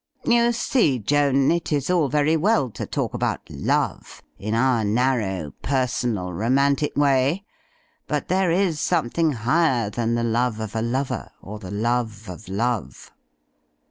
You see, Joan, it is all very well to talk about love in our narrow, personal, romantic way ; but there is something higher than the love of a lover or the love of love."